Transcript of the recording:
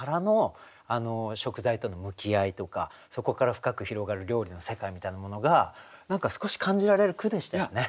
そこから深く広がる料理の世界みたいなものが何か少し感じられる句でしたよね。